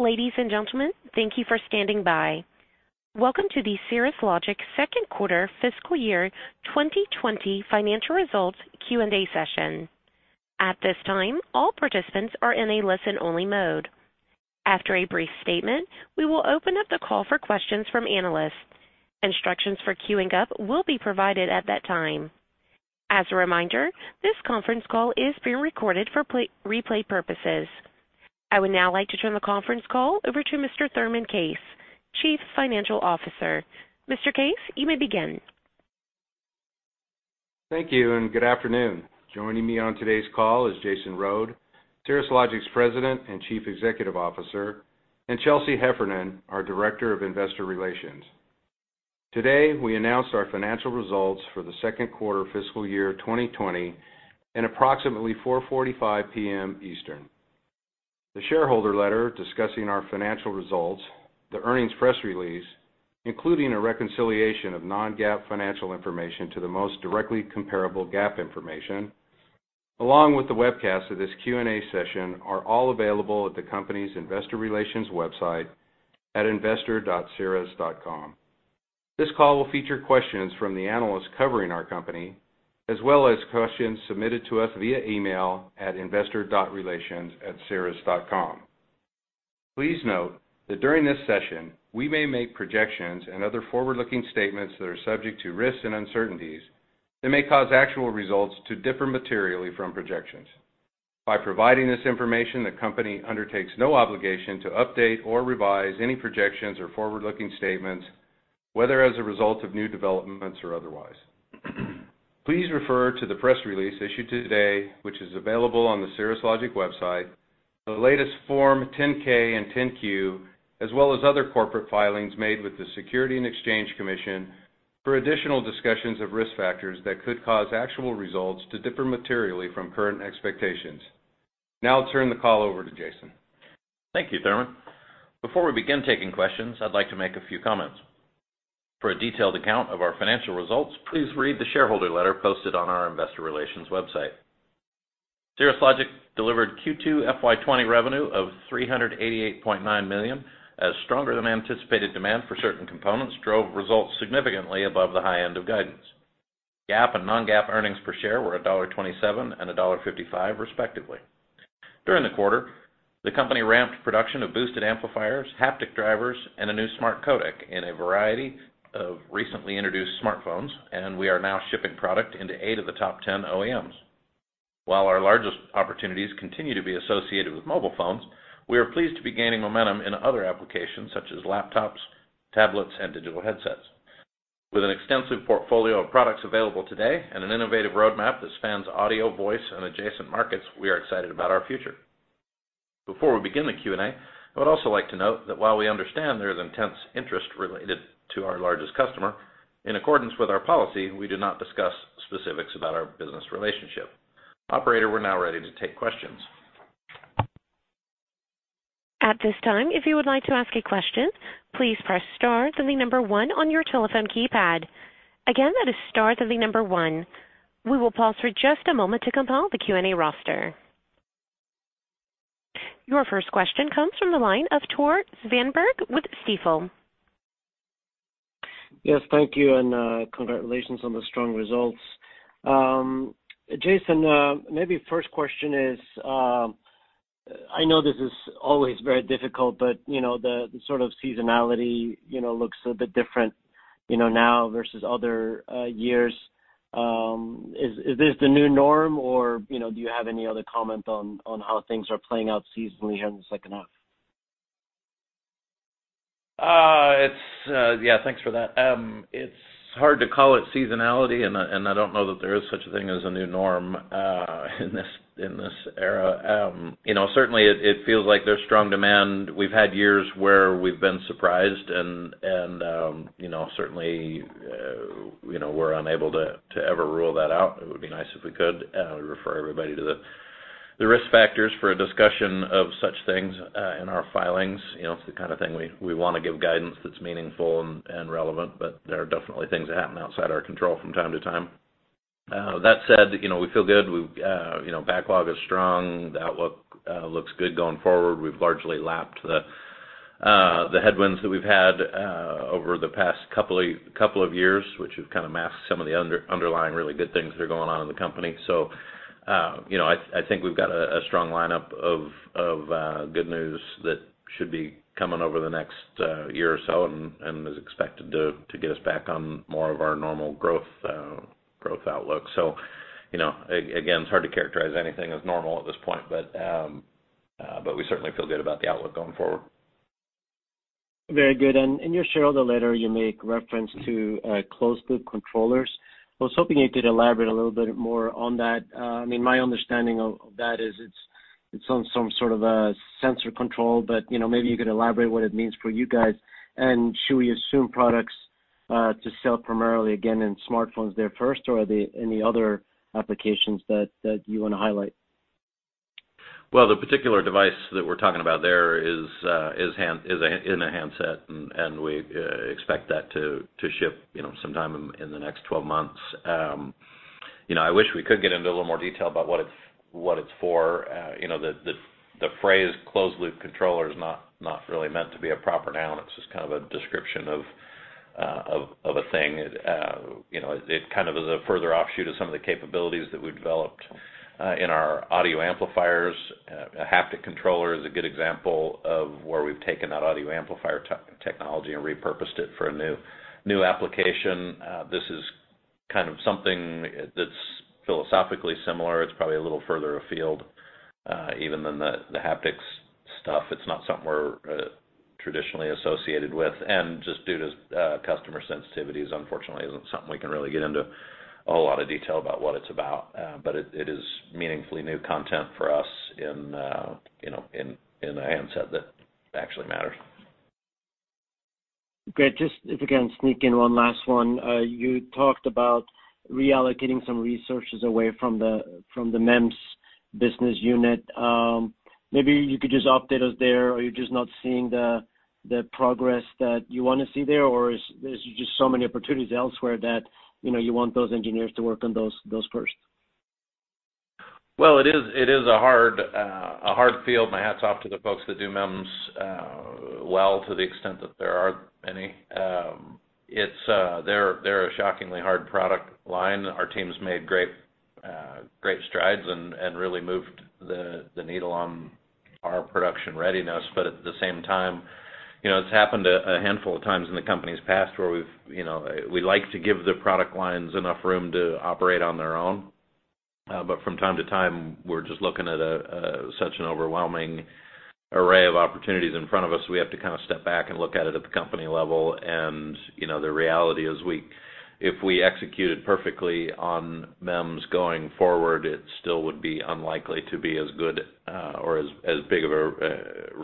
Ladies and gentlemen, thank you for standing by. Welcome to the Cirrus Logic second quarter fiscal year 2020 financial results Q&A session. At this time, all participants are in a listen-only mode. After a brief statement, we will open up the call for questions from analysts. Instructions for queuing up will be provided at that time. As a reminder, this conference call is being recorded for replay purposes. I would now like to turn the conference call over to Mr. Thurman Case, Chief Financial Officer. Mr. Case, you may begin. Thank you and good afternoon. Joining me on today's call is Jason Rhode, Cirrus Logic's President and Chief Executive Officer, and Chelsea Heffernan, our Director of Investor Relations. Today, we announced our financial results for the second quarter fiscal year 2020 at approximately 4:45 P.M. Eastern. The shareholder letter discussing our financial results, the earnings press release, including a reconciliation of non-GAAP financial information to the most directly comparable GAAP information, along with the webcast of this Q&A session, are all available at the company's Investor Relations website at investor.cirrus.com. This call will feature questions from the analysts covering our company, as well as questions submitted to us via email at investor.relations@cirrus.com. Please note that during this session, we may make projections and other forward-looking statements that are subject to risks and uncertainties that may cause actual results to differ materially from projections. By providing this information, the company undertakes no obligation to update or revise any projections or forward-looking statements, whether as a result of new developments or otherwise. Please refer to the press release issued today, which is available on the Cirrus Logic website, the latest Form 10-K and 10-Q, as well as other corporate filings made with the Securities and Exchange Commission for additional discussions of risk factors that could cause actual results to differ materially from current expectations. Now, I'll turn the call over to Jason. Thank you, Thurman. Before we begin taking questions, I'd like to make a few comments. For a detailed account of our financial results, please read the shareholder letter posted on our Investor Relations website. Cirrus Logic delivered Q2 FY20 revenue of $388.9 million, as stronger-than-anticipated demand for certain components drove results significantly above the high end of guidance. GAAP and non-GAAP earnings per share were $1.27 and $1.55, respectively. During the quarter, the company ramped production of boosted amplifiers, haptic drivers, and a new smart codec in a variety of recently introduced smartphones, and we are now shipping product into eight of the top 10 OEMs. While our largest opportunities continue to be associated with mobile phones, we are pleased to be gaining momentum in other applications such as laptops, tablets, and digital headsets. With an extensive portfolio of products available today and an innovative roadmap that spans audio, voice, and adjacent markets, we are excited about our future. Before we begin the Q&A, I would also like to note that while we understand there is intense interest related to our largest customer, in accordance with our policy, we do not discuss specifics about our business relationship. Operator, we're now ready to take questions. At this time, if you would like to ask a question, please press star to the number one on your telephone keypad. Again, that is star to the number one. We will pause for just a moment to compile the Q&A roster. Your first question comes from the line of Tore Svanberg with Stifel. Yes, thank you, and congratulations on the strong results. Jason, maybe first question is, I know this is always very difficult, but the sort of seasonality looks a bit different now versus other years. Is this the new norm, or do you have any other comment on how things are playing out seasonally here in the second half? Yeah, thanks for that. It's hard to call it seasonality, and I don't know that there is such a thing as a new norm in this era. Certainly, it feels like there's strong demand. We've had years where we've been surprised, and certainly, we're unable to ever rule that out. It would be nice if we could. I refer everybody to the risk factors for a discussion of such things in our filings. It's the kind of thing we want to give guidance that's meaningful and relevant, but there are definitely things that happen outside our control from time to time. That said, we feel good. Backlog is strong. The outlook looks good going forward. We've largely lapped the headwinds that we've had over the past couple of years, which have kind of masked some of the underlying really good things that are going on in the company. So I think we've got a strong lineup of good news that should be coming over the next year or so and is expected to get us back on more of our normal growth outlook. So again, it's hard to characterize anything as normal at this point, but we certainly feel good about the outlook going forward. Very good. And in your shareholder letter, you make reference to closed-loop controllers. I was hoping you could elaborate a little bit more on that. I mean, my understanding of that is it's on some sort of a sensor control, but maybe you could elaborate what it means for you guys. And should we assume products to sell primarily again in smartphones there first, or are there any other applications that you want to highlight? The particular device that we're talking about there is in a handset, and we expect that to ship sometime in the next 12 months. I wish we could get into a little more detail about what it's for. The phrase closed-loop controller is not really meant to be a proper noun. It's just kind of a description of a thing. It kind of is a further offshoot of some of the capabilities that we've developed in our audio amplifiers. A haptic controller is a good example of where we've taken that audio amplifier technology and repurposed it for a new application. This is kind of something that's philosophically similar. It's probably a little further afield even than the haptics stuff. It's not something we're traditionally associated with. Just due to customer sensitivities, unfortunately, it isn't something we can really get into a whole lot of detail about what it's about. But it is meaningfully new content for us in a handset that actually matters. Great. Just, again, sneak in one last one. You talked about reallocating some resources away from the MEMS business unit. Maybe you could just update us there, or you're just not seeing the progress that you want to see there, or is there just so many opportunities elsewhere that you want those engineers to work on those first? It is a hard field. My hat's off to the folks that do MEMS well to the extent that there are any. They're a shockingly hard product line. Our team's made great strides and really moved the needle on our production readiness. But at the same time, it's happened a handful of times in the company's past where we'd like to give the product lines enough room to operate on their own. But from time to time, we're just looking at such an overwhelming array of opportunities in front of us, we have to kind of step back and look at it at the company level. The reality is, if we executed perfectly on MEMS going forward, it still would be unlikely to be as good or as big of a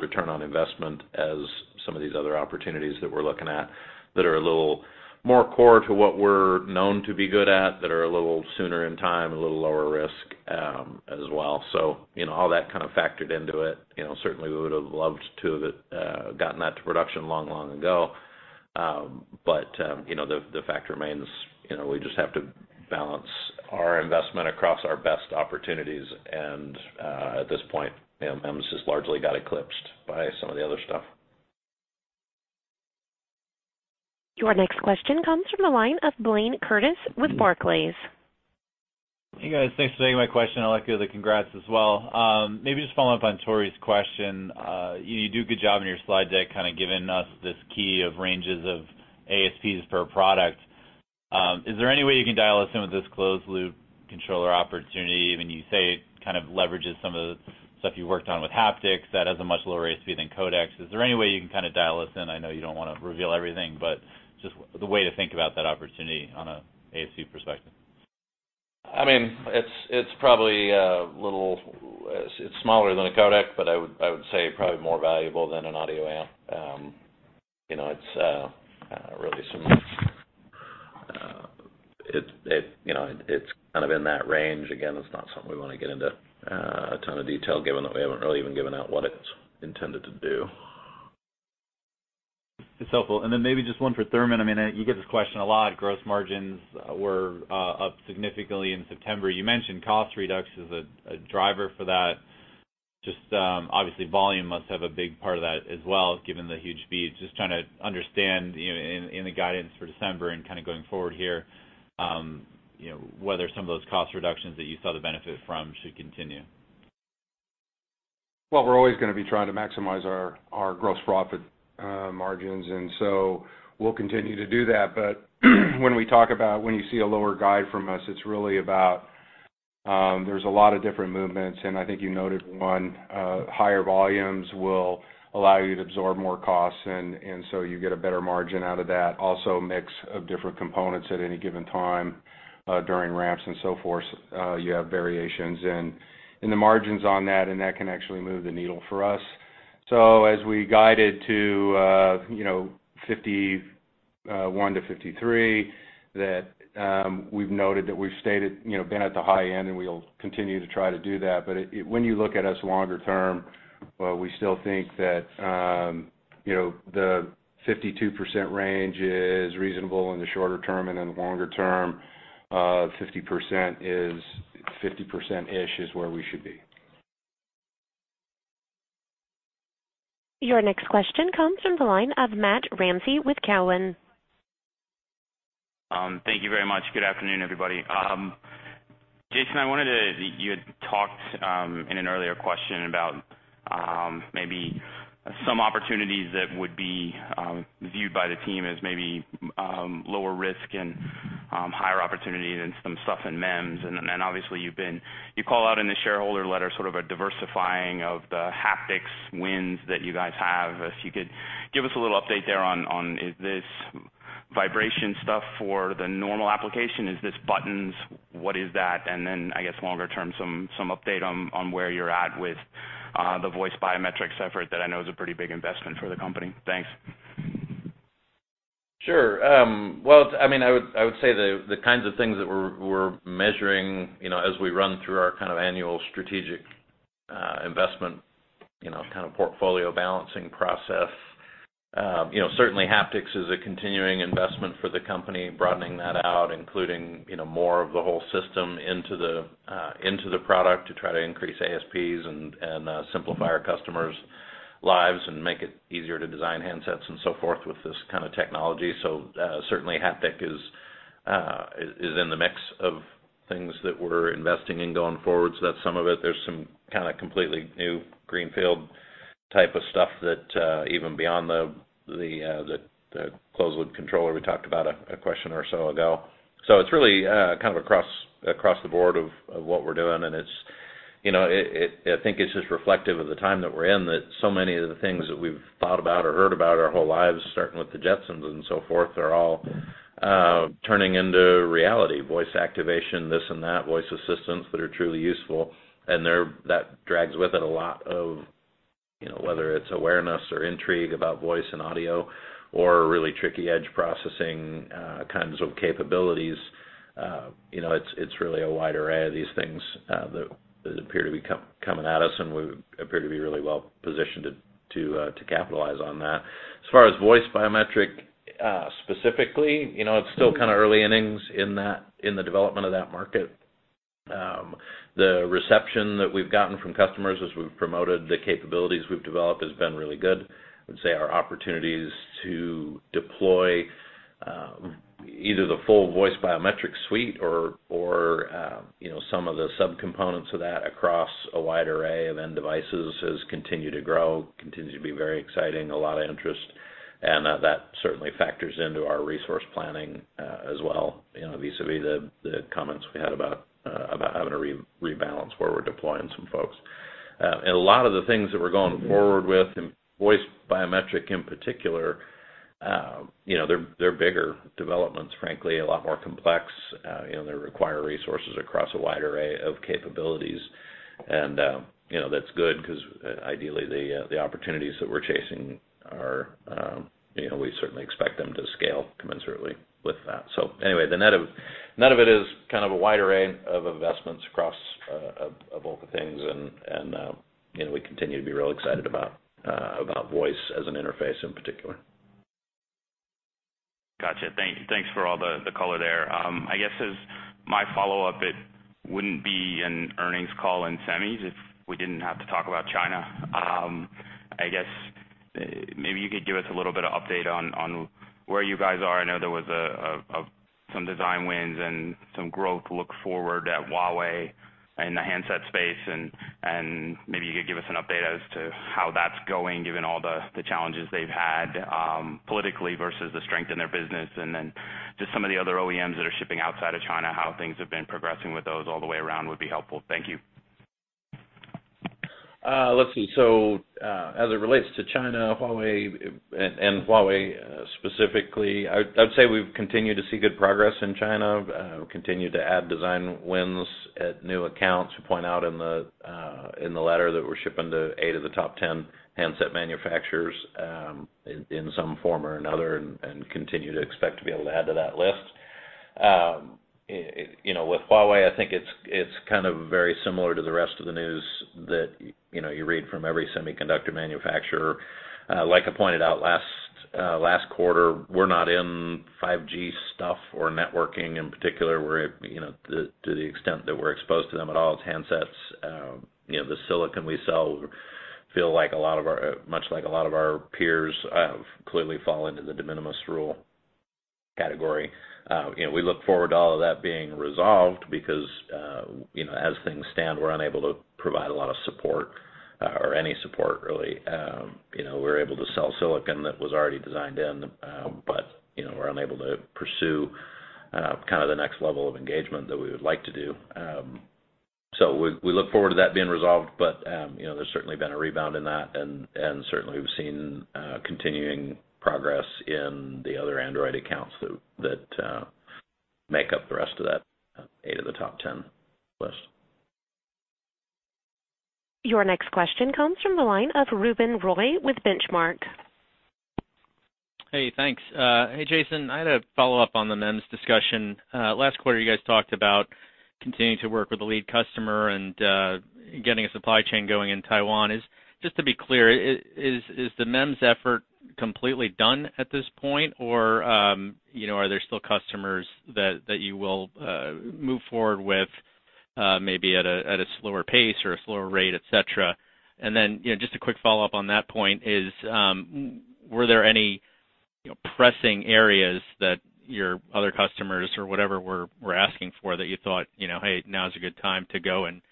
return on investment as some of these other opportunities that we're looking at that are a little more core to what we're known to be good at, that are a little sooner in time, a little lower risk as well. So all that kind of factored into it. Certainly, we would have loved to have gotten that to production long, long ago. But the fact remains, we just have to balance our investment across our best opportunities. At this point, MEMS has largely got eclipsed by some of the other stuff. Your next question comes from the line of Blayne Curtis with Barclays. Hey, guys. Thanks for taking my question. I'd like to give the congrats as well. Maybe just following up on Tore's question, you do a good job in your slide deck kind of giving us this key of ranges of ASPs per product. Is there any way you can dial us in with this closed-loop controller opportunity? I mean, you say it kind of leverages some of the stuff you worked on with haptics, that has a much lower ASP than codecs. Is there any way you can kind of dial us in? I know you don't want to reveal everything, but just the way to think about that opportunity on an ASP perspective. I mean, it's probably smaller than a codec, but I would say probably more valuable than an audio amp. It's really kind of in that range. Again, it's not something we want to get into a ton of detail given that we haven't really even given out what it's intended to do. That's helpful, and then maybe just one for Thurman. I mean, you get this question a lot. Gross margins were up significantly in September. You mentioned cost reduction is a driver for that. Just obviously, volume must have a big part of that as well, given the huge speed. Just trying to understand in the guidance for December and kind of going forward here, whether some of those cost reductions that you saw the benefit from should continue. We're always going to be trying to maximize our gross profit margins, and so we'll continue to do that. But when we talk about when you see a lower guidance from us, it's really about there's a lot of different movements, and I think you noted one. Higher volumes will allow you to absorb more costs, and so you get a better margin out of that. Also, a mix of different components at any given time during ramps and so forth, you have variations in the margins on that, and that can actually move the needle for us. So as we guided to 51%-53%, that we've noted that we've been at the high end, and we'll continue to try to do that. But when you look at us longer term, we still think that the 52% range is reasonable in the shorter term and in the longer term. 50% is 50%-ish is where we should be. Your next question comes from the line of Matt Ramsay with Cowen. Thank you very much. Good afternoon, everybody. Jason, I wanted to. You had talked in an earlier question about maybe some opportunities that would be viewed by the team as maybe lower risk and higher opportunity than some stuff in MEMS. And obviously, you call out in the shareholder letter sort of a diversifying of the haptics wins that you guys have. If you could give us a little update there on, is this vibration stuff for the normal application? Is this buttons? What is that? And then, I guess, longer term, some update on where you're at with the voice biometrics effort that I know is a pretty big investment for the company. Thanks. Sure. Well, I mean, I would say the kinds of things that we're measuring as we run through our kind of annual strategic investment kind of portfolio balancing process. Certainly, haptics is a continuing investment for the company, broadening that out, including more of the whole system into the product to try to increase ASPs and simplify our customers' lives and make it easier to design handsets and so forth with this kind of technology. So certainly, haptic is in the mix of things that we're investing in going forward. So that's some of it. There's some kind of completely new greenfield type of stuff that even beyond the closed-loop controller we talked about a question or so ago. So it's really kind of across the board of what we're doing. I think it's just reflective of the time that we're in that so many of the things that we've thought about or heard about our whole lives, starting with the Jetsons and so forth, are all turning into reality: voice activation, this and that, voice assistants that are truly useful. That drags with it a lot of whether it's awareness or intrigue about voice and audio or really tricky edge processing kinds of capabilities. It's really a wide array of these things that appear to be coming at us, and we appear to be really well positioned to capitalize on that. As far as voice biometric specifically, it's still kind of early innings in the development of that market. The reception that we've gotten from customers as we've promoted the capabilities we've developed has been really good. I would say our opportunities to deploy either the full voice biometric suite or some of the subcomponents of that across a wide array of end devices has continued to grow. It continues to be very exciting, a lot of interest. And that certainly factors into our resource planning as well vis-à-vis the comments we had about having to rebalance where we're deploying some folks. And a lot of the things that we're going forward with, voice biometric in particular, they're bigger developments, frankly, a lot more complex. They require resources across a wide array of capabilities. And that's good because ideally, the opportunities that we're chasing are—we certainly expect them to scale commensurately with that. So anyway, the net of it is kind of a wide array of investments across a bulk of things, and we continue to be really excited about voice as an interface in particular. Gotcha. Thanks for all the color there. I guess my follow-up, it wouldn't be an earnings call in semis if we didn't have to talk about China. I guess maybe you could give us a little bit of update on where you guys are. I know there was some design wins and some growth look forward at Huawei in the handset space. And maybe you could give us an update as to how that's going given all the challenges they've had politically versus the strength in their business. And then just some of the other OEMs that are shipping outside of China, how things have been progressing with those all the way around would be helpful. Thank you. Let's see. So as it relates to China, Huawei, and Huawei specifically, I would say we've continued to see good progress in China. We've continued to add design wins at new accounts. We point out in the letter that we're shipping to eight of the top 10 handset manufacturers in some form or another and continue to expect to be able to add to that list. With Huawei, I think it's kind of very similar to the rest of the news that you read from every semiconductor manufacturer. Like I pointed out last quarter, we're not in 5G stuff or networking in particular. To the extent that we're exposed to them at all, it's handsets. The silicon we sell feels like a lot of our, much like a lot of our peers have clearly fallen into the de minimis rule category. We look forward to all of that being resolved because, as things stand, we're unable to provide a lot of support or any support, really. We're able to sell silicon that was already designed in, but we're unable to pursue kind of the next level of engagement that we would like to do. So we look forward to that being resolved, but there's certainly been a rebound in that. And certainly, we've seen continuing progress in the other Android accounts that make up the rest of that eight of the top 10 list. Your next question comes from the line of Ruben Roy with Benchmark. Hey, thanks. Hey, Jason. I had a follow-up on the MEMS discussion. Last quarter, you guys talked about continuing to work with the lead customer and getting a supply chain going in Taiwan. Just to be clear, is the MEMS effort completely done at this point, or are there still customers that you will move forward with maybe at a slower pace or a slower rate, etc.? And then just a quick follow-up on that point is, were there any pressing areas that your other customers or whatever were asking for that you thought, "Hey, now's a good time to go and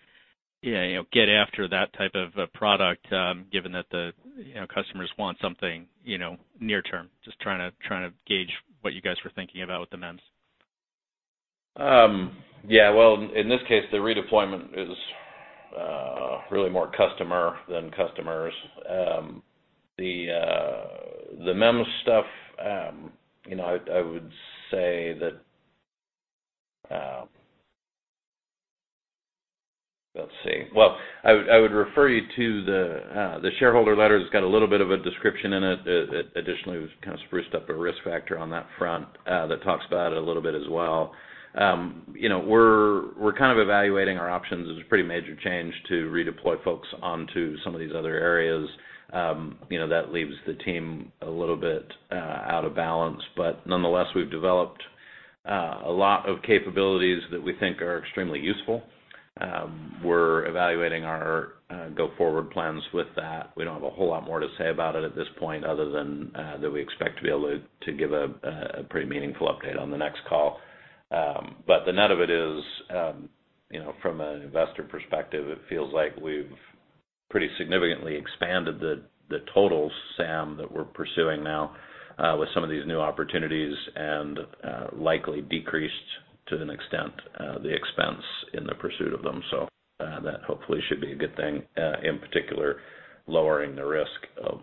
get after that type of product," given that the customers want something near-term? Just trying to gauge what you guys were thinking about with the MEMS. Yeah. Well, in this case, the redeployment is really more customer than customers. The MEMS stuff, I would say that. Let's see. Well, I would refer you to the shareholder letter. It's got a little bit of a description in it. Additionally, it was kind of spruced up a risk factor on that front that talks about it a little bit as well. We're kind of evaluating our options. It's a pretty major change to redeploy folks onto some of these other areas. That leaves the team a little bit out of balance. But nonetheless, we've developed a lot of capabilities that we think are extremely useful. We're evaluating our go-forward plans with that. We don't have a whole lot more to say about it at this point other than that we expect to be able to give a pretty meaningful update on the next call. But the net of it is, from an investor perspective, it feels like we've pretty significantly expanded the total SAM that we're pursuing now with some of these new opportunities and likely decreased to an extent the expense in the pursuit of them. So that hopefully should be a good thing, in particular, lowering the risk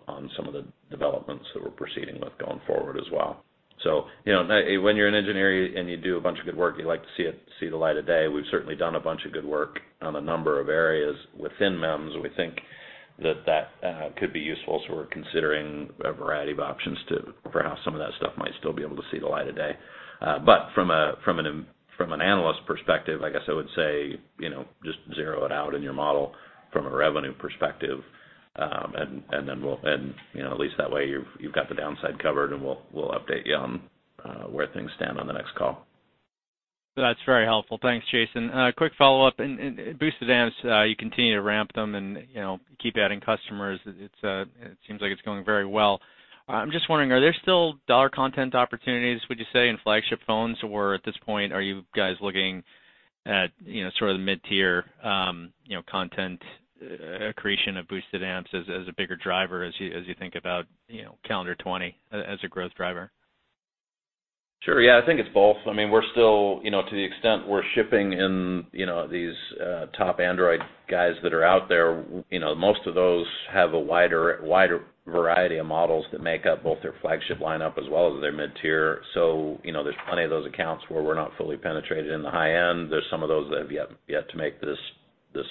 on some of the developments that we're proceeding with going forward as well. So when you're an engineer and you do a bunch of good work, you like to see the light of day. We've certainly done a bunch of good work on a number of areas within MEMS. We think that that could be useful. So we're considering a variety of options for how some of that stuff might still be able to see the light of day. But from an analyst perspective, I guess I would say just zero it out in your model from a revenue perspective. And then at least that way, you've got the downside covered, and we'll update you on where things stand on the next call. That's very helpful. Thanks, Jason. Quick follow-up and boosted amps, you continue to ramp them and keep adding customers. It seems like it's going very well. I'm just wondering, are there still dollar content opportunities, would you say, in flagship phones? Or at this point, are you guys looking at sort of the mid-tier content accretion of boosted amps as a bigger driver as you think about calendar 2020 as a growth driver? Sure. Yeah. I think it's both. I mean, we're still, to the extent we're shipping in these top Android guys that are out there, most of those have a wider variety of models that make up both their flagship lineup as well as their mid-tier. So there's plenty of those accounts where we're not fully penetrated in the high end. There's some of those that have yet to make this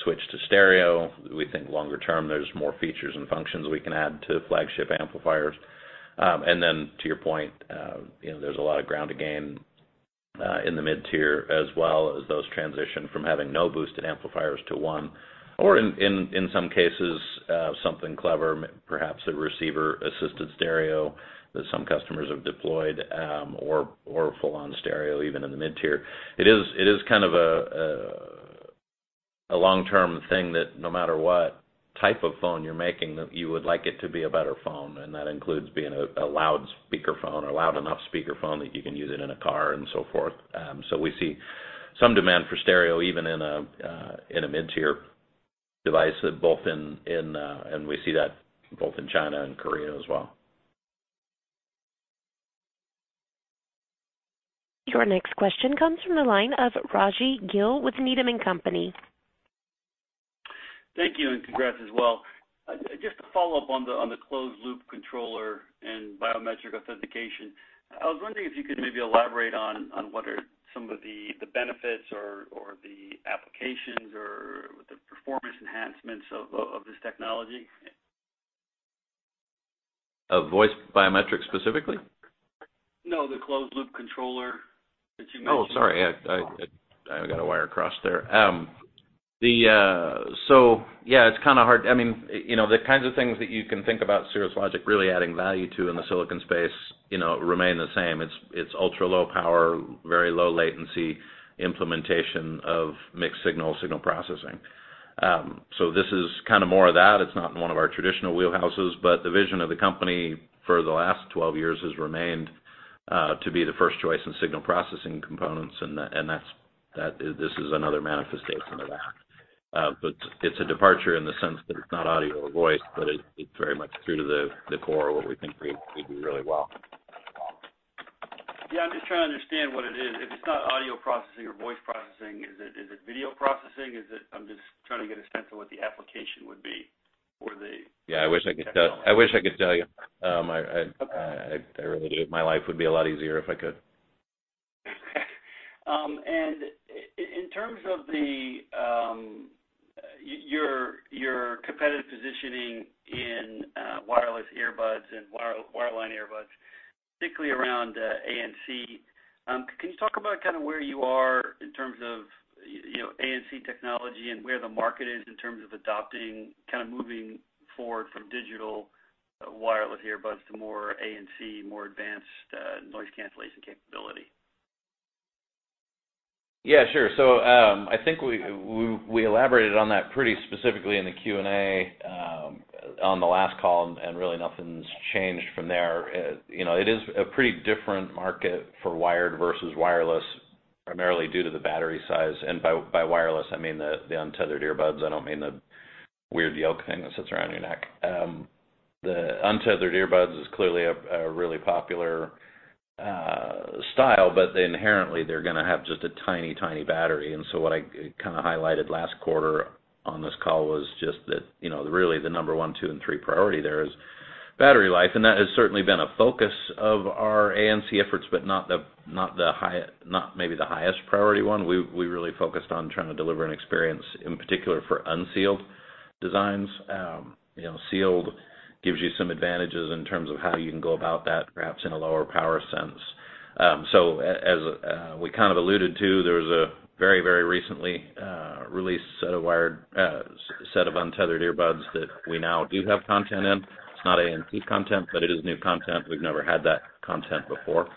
switch to stereo. We think longer term, there's more features and functions we can add to flagship amplifiers. And then, to your point, there's a lot of ground to gain in the mid-tier as well as those transition from having no boosted amplifiers to one. Or in some cases, something clever, perhaps a receiver-assisted stereo that some customers have deployed or full-on stereo even in the mid-tier. It is kind of a long-term thing that no matter what type of phone you're making, you would like it to be a better phone. And that includes being a loud-speaker phone or loud enough speaker phone that you can use it in a car and so forth. So we see some demand for stereo even in a mid-tier device both in China and Korea as well. Your next question comes from the line of Raji Gill with Needham & Company. Thank you and congrats as well. Just to follow up on the closed-loop controller and biometric authentication, I was wondering if you could maybe elaborate on what are some of the benefits or the applications or the performance enhancements of this technology? Of voice biometrics specifically? No, the closed-loop controller that you mentioned. Oh, sorry. I got a wire cross there, so yeah, it's kind of hard. I mean, the kinds of things that you can think about Cirrus Logic really adding value to in the silicon space remain the same. It's ultra-low power, very low-latency implementation of mixed-signal signal processing, so this is kind of more of that. It's not in one of our traditional wheelhouses, but the vision of the company for the last 12 years has remained to be the first choice in signal processing components, and this is another manifestation of that, but it's a departure in the sense that it's not audio or voice, but it's very much true to the core of what we think we do really well. Yeah. I'm just trying to understand what it is. If it's not audio processing or voice processing, is it video processing? I'm just trying to get a sense of what the application would be for the. Yeah. I wish I could tell you. I really do. My life would be a lot easier if I could. In terms of your competitive positioning in wireless earbuds and wireline earbuds, particularly around ANC, can you talk about kind of where you are in terms of ANC technology and where the market is in terms of adopting, kind of moving forward from digital wireless earbuds to more ANC, more advanced noise cancellation capability? Yeah, sure. So I think we elaborated on that pretty specifically in the Q&A on the last call, and really nothing's changed from there. It is a pretty different market for wired versus wireless, primarily due to the battery size. And by wireless, I mean the untethered earbuds. I don't mean the weird yoke thing that sits around your neck. The untethered earbuds is clearly a really popular style, but inherently, they're going to have just a tiny, tiny battery. And so what I kind of highlighted last quarter on this call was just that really the number one, two, and three priority there is battery life. And that has certainly been a focus of our ANC efforts, but not maybe the highest priority one. We really focused on trying to deliver an experience in particular for unsealed designs. Sealed gives you some advantages in terms of how you can go about that, perhaps in a lower power sense. So as we kind of alluded to, there was a very, very recently released set of untethered earbuds that we now do have content in. It's not ANC content, but it is new content. We've never had that content before.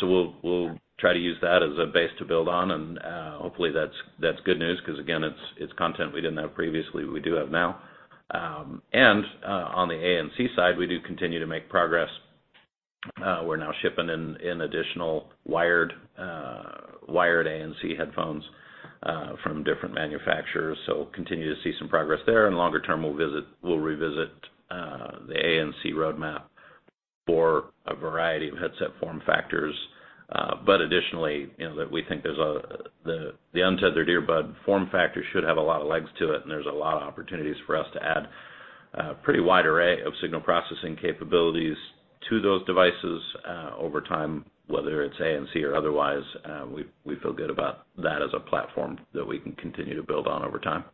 So we'll try to use that as a base to build on. And hopefully, that's good news because, again, it's content we didn't have previously we do have now. And on the ANC side, we do continue to make progress. We're now shipping in additional wired ANC headphones from different manufacturers. So continue to see some progress there. And longer term, we'll revisit the ANC roadmap for a variety of headset form factors. But additionally, we think the untethered earbud form factor should have a lot of legs to it, and there's a lot of opportunities for us to add a pretty wide array of signal processing capabilities to those devices over time, whether it's ANC or otherwise. We feel good about that as a platform that we can continue to build on over time.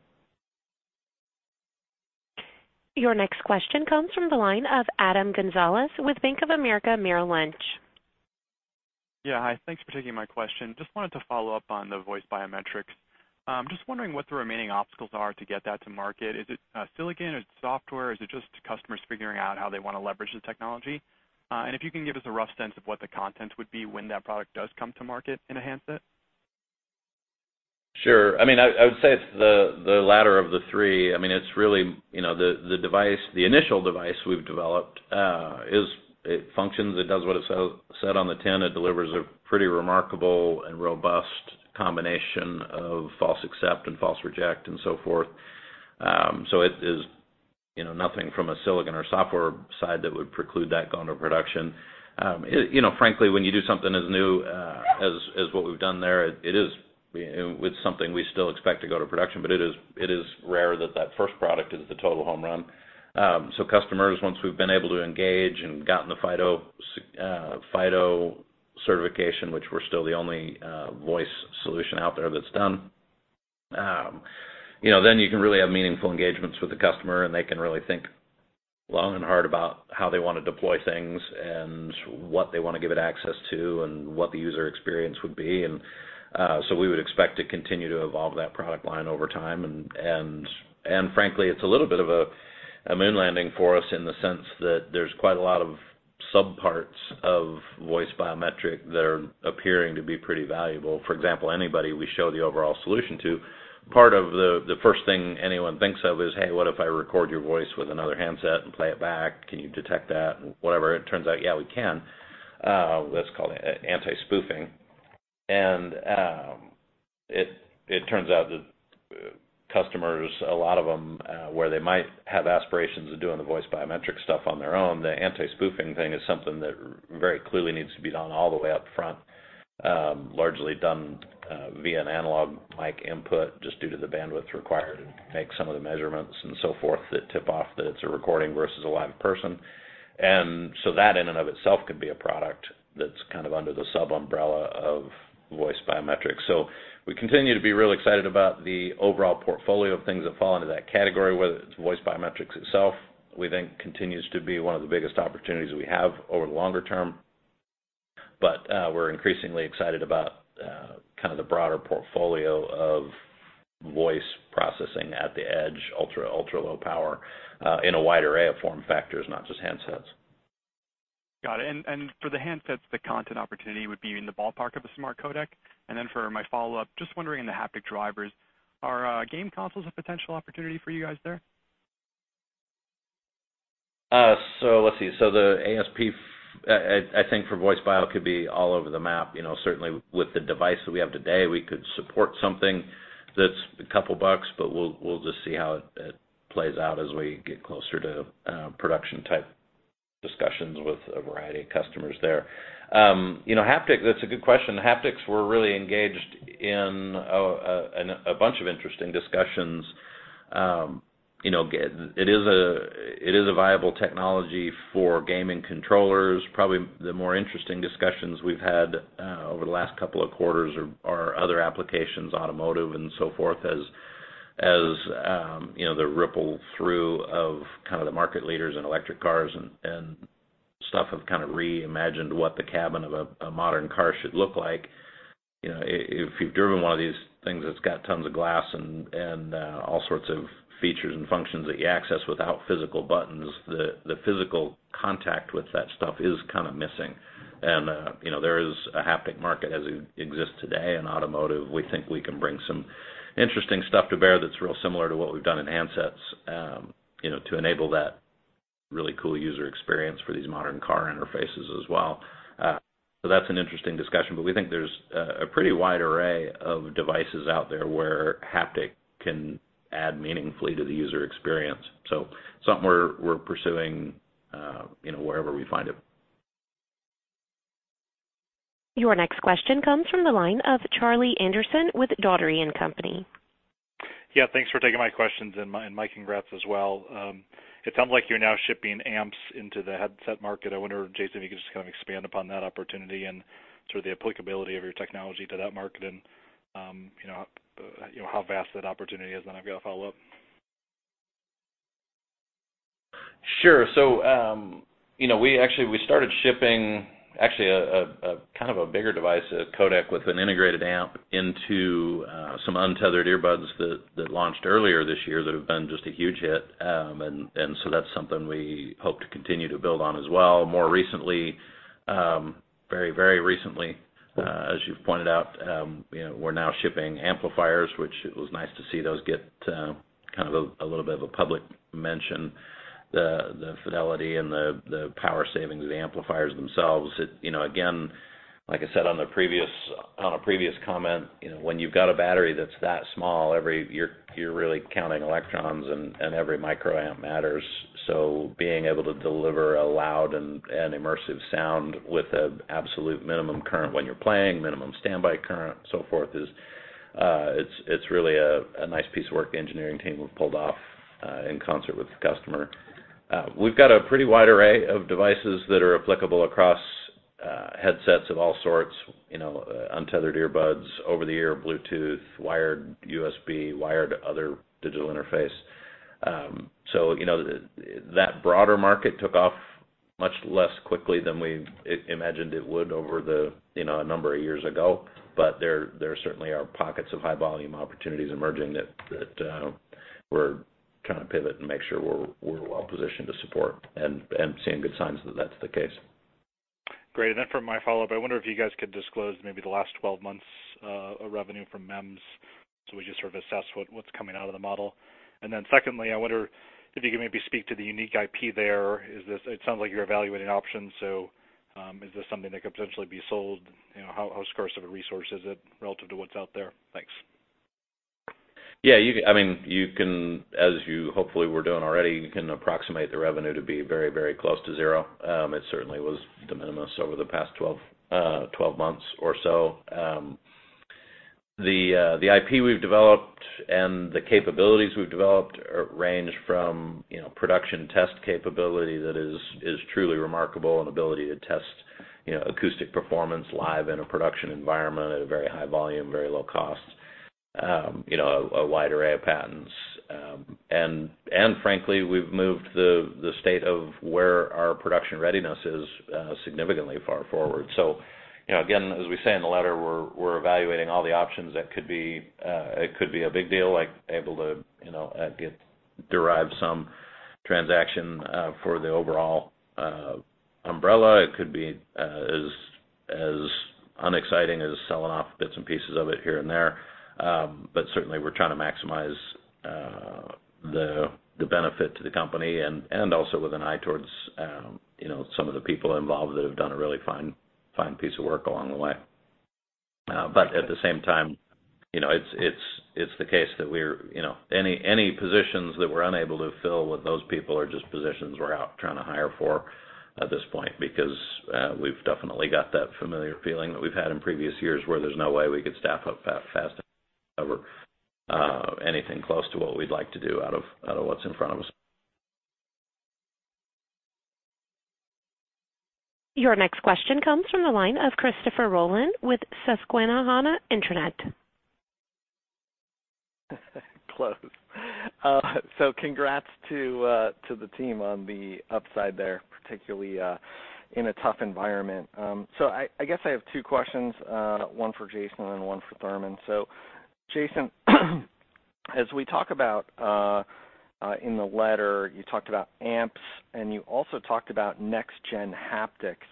Your next question comes from the line of Adam Gonzalez with Bank of America Merrill Lynch. Yeah. Hi. Thanks for taking my question. Just wanted to follow up on the voice biometrics. Just wondering what the remaining obstacles are to get that to market. Is it silicon? Is it software? Is it just customers figuring out how they want to leverage the technology? And if you can give us a rough sense of what the content would be when that product does come to market and enhance it. Sure. I mean, I would say it's the latter of the three. I mean, it's really the device, the initial device we've developed. It functions. It does what it says on the tin. It delivers a pretty remarkable and robust combination of false accept and false reject and so forth. So it is nothing from a silicon or software side that would preclude that going to production. Frankly, when you do something as new as what we've done there, it's something we still expect to go to production, but it is rare that that first product is the total home run. Customers, once we've been able to engage and gotten the FIDO certification, which we're still the only voice solution out there that's done, then you can really have meaningful engagements with the customer, and they can really think long and hard about how they want to deploy things and what they want to give it access to and what the user experience would be. We would expect to continue to evolve that product line over time. Frankly, it's a little bit of a moon landing for us in the sense that there's quite a lot of subparts of voice biometric that are appearing to be pretty valuable. For example, anybody we show the overall solution to, part of the first thing anyone thinks of is, "Hey, what if I record your voice with another handset and play it back? Can you detect that?" Whatever. It turns out, yeah, we can. That's called anti-spoofing. And it turns out that customers, a lot of them, where they might have aspirations of doing the voice biometric stuff on their own, the anti-spoofing thing is something that very clearly needs to be done all the way up front, largely done via an analog mic input just due to the bandwidth required to make some of the measurements and so forth that tip off that it's a recording versus a live person. And so that in and of itself could be a product that's kind of under the sub-umbrella of voice biometrics. So we continue to be really excited about the overall portfolio of things that fall into that category, whether it's voice biometrics itself, we think continues to be one of the biggest opportunities we have over the longer term. But we're increasingly excited about kind of the broader portfolio of voice processing at the edge, ultra-low power in a wide array of form factors, not just handsets. Got it. And for the handsets, the content opportunity would be in the ballpark of a smart codec. And then for my follow-up, just wondering in the haptic drivers, are game consoles a potential opportunity for you guys there? So let's see. So the ASP, I think for voice bio, could be all over the map. Certainly, with the device that we have today, we could support something that's a couple bucks, but we'll just see how it plays out as we get closer to production-type discussions with a variety of customers there. Haptics, that's a good question. Haptics, we're really engaged in a bunch of interesting discussions. It is a viable technology for gaming controllers. Probably the more interesting discussions we've had over the last couple of quarters are other applications, automotive and so forth, as the ripple through of kind of the market leaders in electric cars and stuff have kind of reimagined what the cabin of a modern car should look like. If you've driven one of these things that's got tons of glass and all sorts of features and functions that you access without physical buttons, the physical contact with that stuff is kind of missing, and there is a haptic market as it exists today in automotive. We think we can bring some interesting stuff to bear that's real similar to what we've done in handsets to enable that really cool user experience for these modern car interfaces as well, so that's an interesting discussion, but we think there's a pretty wide array of devices out there where haptic can add meaningfully to the user experience, so something we're pursuing wherever we find it. Your next question comes from the line of Charlie Anderson with Dougherty & Company. Yeah. Thanks for taking my questions and my congrats as well. It sounds like you're now shipping amps into the headset market. I wonder, Jason, if you could just kind of expand upon that opportunity and sort of the applicability of your technology to that market and how vast that opportunity is. Then I've got to follow up. Sure. So we actually started shipping actually a kind of a bigger device, a codec with an integrated amp into some untethered earbuds that launched earlier this year that have been just a huge hit. And so that's something we hope to continue to build on as well. More recently, very, very recently, as you've pointed out, we're now shipping amplifiers, which it was nice to see those get kind of a little bit of a public mention. The fidelity and the power savings of the amplifiers themselves, again, like I said on a previous comment, when you've got a battery that's that small, you're really counting electrons, and every microamp matters. So being able to deliver a loud and immersive sound with an absolute minimum current when you're playing, minimum standby current, so forth, it's really a nice piece of work the engineering team have pulled off in concert with the customer. We've got a pretty wide array of devices that are applicable across headsets of all sorts: untethered earbuds, over-the-air Bluetooth, wired USB, wired other digital interface. So that broader market took off much less quickly than we imagined it would over a number of years ago. But there certainly are pockets of high-volume opportunities emerging that we're trying to pivot and make sure we're well-positioned to support and seeing good signs that that's the case. Great. And then for my follow-up, I wonder if you guys could disclose maybe the last 12 months of revenue from MEMS so we just sort of assess what's coming out of the model. And then secondly, I wonder if you could maybe speak to the unique IP there. It sounds like you're evaluating options. So is this something that could potentially be sold? How scarce of a resource is it relative to what's out there? Thanks. Yeah. I mean, as you hopefully were doing already, you can approximate the revenue to be very, very close to zero. It certainly was the minimum over the past 12 months or so. The IP we've developed and the capabilities we've developed range from production test capability that is truly remarkable and ability to test acoustic performance live in a production environment at a very high volume, very low cost, a wide array of patents. And frankly, we've moved the state of where our production readiness is significantly far forward. So again, as we say in the letter, we're evaluating all the options that could be a big deal, like able to derive some transaction for the overall umbrella. It could be as unexciting as selling off bits and pieces of it here and there. But certainly, we're trying to maximize the benefit to the company and also with an eye towards some of the people involved that have done a really fine piece of work along the way. But at the same time, it's the case that any positions that we're unable to fill with those people are just positions we're out trying to hire for at this point because we've definitely got that familiar feeling that we've had in previous years where there's no way we could staff up fast enough to cover anything close to what we'd like to do out of what's in front of us. Your next question comes from the line of Christopher Rolland with Susquehanna International. Close. Congrats to the team on the upside there, particularly in a tough environment. I guess I have two questions, one for Jason and one for Thurman. Jason, as we talk about in the letter, you talked about amps, and you also talked about next-gen haptics.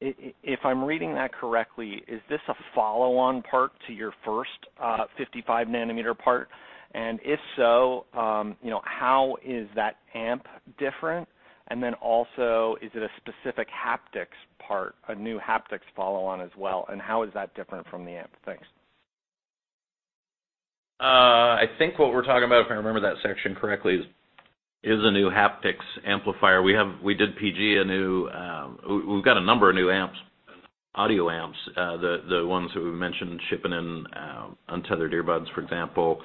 If I'm reading that correctly, is this a follow-on part to your first 55-nanometer part? And if so, how is that amp different? And then also, is it a specific haptics part, a new haptics follow-on as well? And how is that different from the amp? Thanks. I think what we're talking about, if I remember that section correctly, is a new haptics amplifier. We've got a number of new amps, audio amps, the ones that we mentioned shipping in untethered earbuds, for example.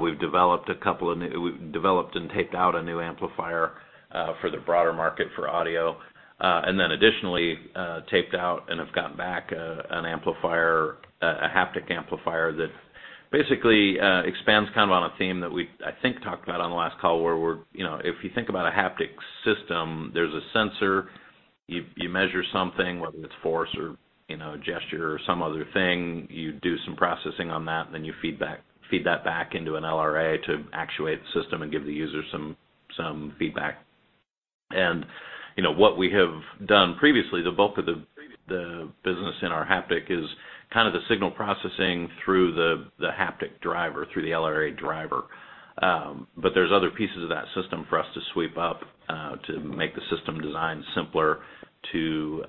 We've developed a couple of new and taped out a new amplifier for the broader market for audio, and then additionally, taped out and have gotten back a haptic amplifier that basically expands kind of on a theme that we, I think, talked about on the last call where if you think about a haptics system, there's a sensor. You measure something, whether it's force or gesture or some other thing. You do some processing on that, and then you feed that back into an LRA to actuate the system and give the user some feedback. And what we have done previously, the bulk of the business in our haptic is kind of the signal processing through the haptic driver, through the LRA driver. But there's other pieces of that system for us to sweep up to make the system design simpler, to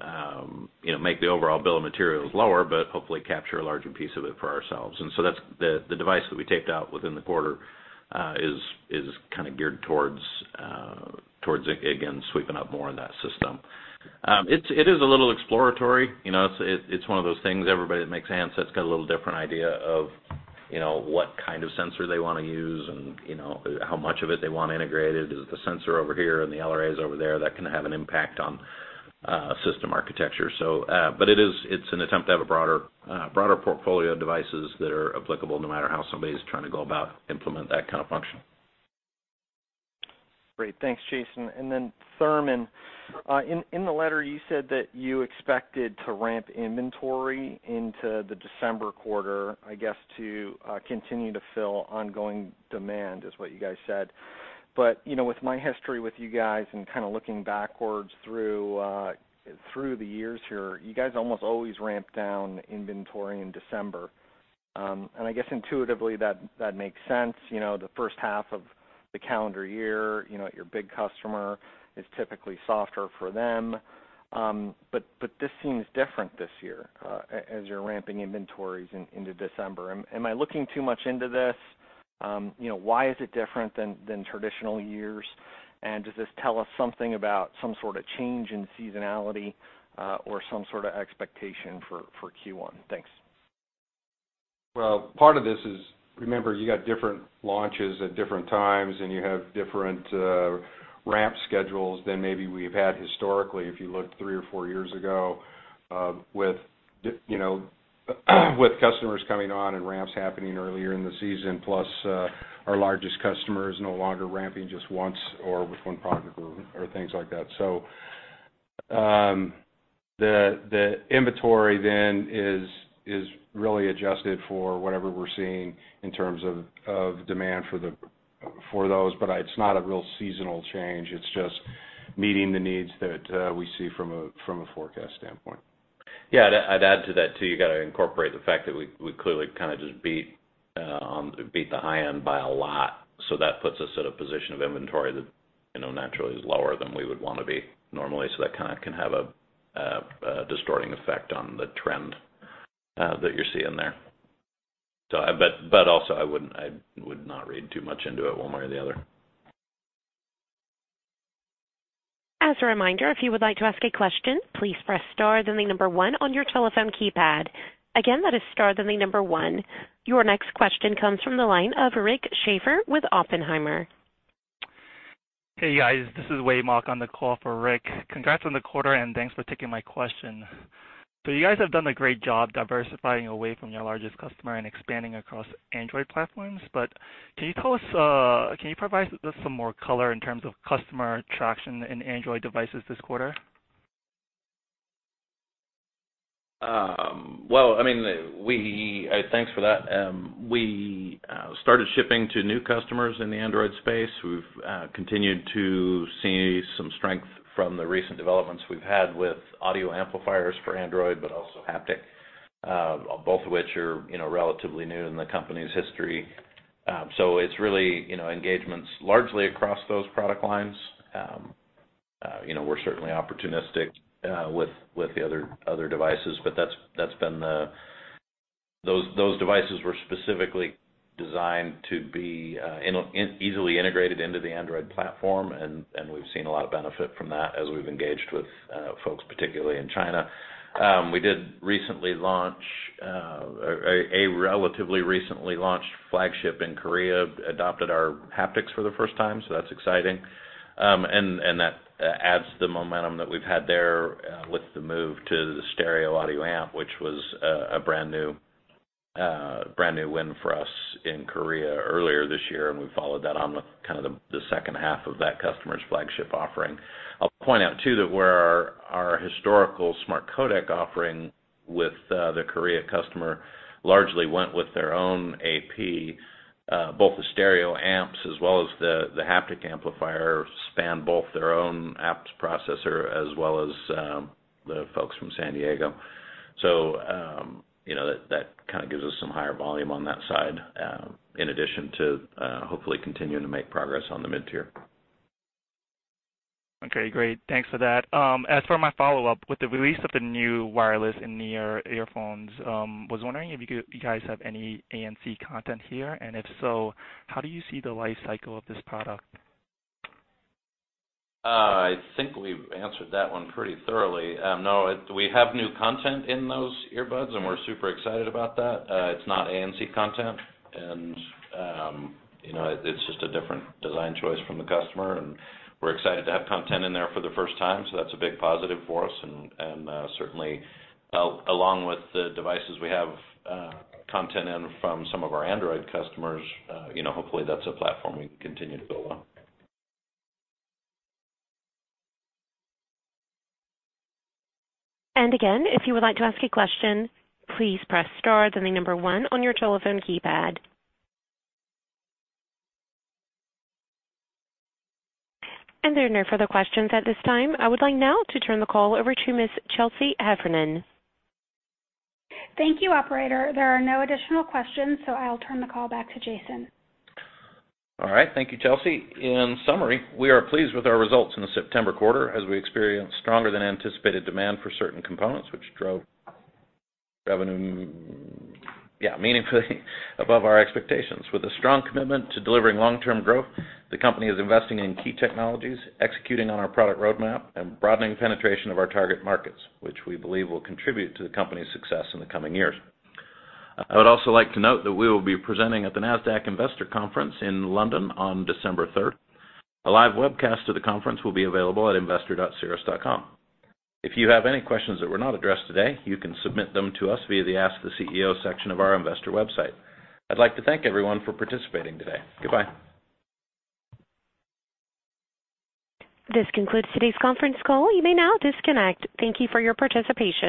make the overall bill of materials lower, but hopefully capture a larger piece of it for ourselves. And so the device that we taped out within the quarter is kind of geared towards, again, sweeping up more of that system. It is a little exploratory. It's one of those things. Everybody that makes handsets got a little different idea of what kind of sensor they want to use and how much of it they want integrated. Is it the sensor over here and the LRAs over there that can have an impact on system architecture? But it's an attempt to have a broader portfolio of devices that are applicable no matter how somebody's trying to go about implement that kind of function. Great. Thanks, Jason. And then Thurman, in the letter, you said that you expected to ramp inventory into the December quarter, I guess, to continue to fill ongoing demand is what you guys said. But with my history with you guys and kind of looking backwards through the years here, you guys almost always ramp down inventory in December. And I guess intuitively that makes sense. The first half of the calendar year at your big customer is typically softer for them. But this seems different this year as you're ramping inventories into December. Am I looking too much into this? Why is it different than traditional years? And does this tell us something about some sort of change in seasonality or some sort of expectation for Q1? Thanks. Part of this is, remember, you got different launches at different times, and you have different ramp schedules than maybe we've had historically if you look three or four years ago with customers coming on and ramps happening earlier in the season, plus our largest customer is no longer ramping just once or with one product or things like that. So the inventory then is really adjusted for whatever we're seeing in terms of demand for those. But it's not a real seasonal change. It's just meeting the needs that we see from a forecast standpoint. Yeah. I'd add to that too. You got to incorporate the fact that we clearly kind of just beat the high end by a lot. So that puts us at a position of inventory that naturally is lower than we would want to be normally. So that kind of can have a distorting effect on the trend that you're seeing there. But also, I would not read too much into it one way or the other. As a reminder, if you would like to ask a question, please press star then the number one on your telephone keypad. Again, that is star then the number one. Your next question comes from the line of Rick Schafer with Oppenheimer. Hey, guys. This is Wade Mock on the call for Rick. Congrats on the quarter, and thanks for taking my question. So you guys have done a great job diversifying away from your largest customer and expanding across Android platforms. But can you tell us, can you provide us some more color in terms of customer traction in Android devices this quarter? Well, I mean, thanks for that. We started shipping to new customers in the Android space. We've continued to see some strength from the recent developments we've had with audio amplifiers for Android, but also haptics, both of which are relatively new in the company's history. So it's really engagements largely across those product lines. We're certainly opportunistic with the other devices, but those devices were specifically designed to be easily integrated into the Android platform, and we've seen a lot of benefit from that as we've engaged with folks, particularly in China. We did recently launch a relatively recently launched flagship in Korea, adopted our haptics for the first time. So that's exciting. And that adds the momentum that we've had there with the move to the stereo audio amp, which was a brand new win for us in Korea earlier this year. We've followed that on with kind of the second half of that customer's flagship offering. I'll point out too that where our historical smart codec offering with the Korea customer largely went with their own AP, both the stereo amps as well as the haptic amplifier spanned both their own apps processor as well as the folks from San Diego. That kind of gives us some higher volume on that side in addition to hopefully continuing to make progress on the mid-tier. Okay. Great. Thanks for that. As for my follow-up, with the release of the new wireless in-ear earphones, I was wondering if you guys have any ANC content here? And if so, how do you see the life cycle of this product? I think we've answered that one pretty thoroughly. No, we have new content in those earbuds, and we're super excited about that. It's not ANC content, and it's just a different design choice from the customer, and we're excited to have content in there for the first time, so that's a big positive for us, and certainly, along with the devices we have content in from some of our Android customers, hopefully that's a platform we can continue to build on. And again, if you would like to ask a question, please press star then the number one on your telephone keypad. And there are no further questions at this time. I would like now to turn the call over to Ms. Chelsea Heffernan. Thank you, Operator. There are no additional questions, so I'll turn the call back to Jason. All right. Thank you, Chelsea. In summary, we are pleased with our results in the September quarter as we experienced stronger-than-anticipated demand for certain components, which drove revenue, yeah, meaningfully above our expectations. With a strong commitment to delivering long-term growth, the company is investing in key technologies, executing on our product roadmap, and broadening penetration of our target markets, which we believe will contribute to the company's success in the coming years. I would also like to note that we will be presenting at the Nasdaq Investor Conference in London on December 3rd. A live webcast of the conference will be available at investor.cirrus.com. If you have any questions that were not addressed today, you can submit them to us via the Ask the CEO section of our investor website. I'd like to thank everyone for participating today. Goodbye. This concludes today's conference call. You may now disconnect. Thank you for your participation.